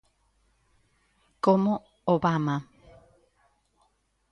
Como Obama.